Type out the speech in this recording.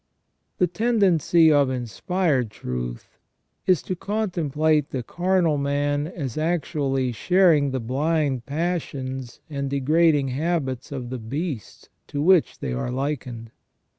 The tendency of Inspired Truth is to contemplate the carnal man as actually sharing the blind passions and degrading habits of the beasts to which they are likened.